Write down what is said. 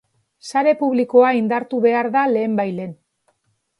Sare publikoa indartu behar da lehenbailehen.